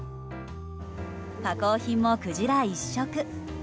加工品もクジラ一色。